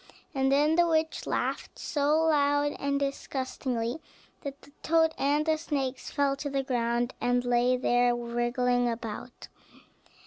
And then the witch laughed so loud and disgustingly, that the toad and the snakes fell to the ground, and lay there wriggling about.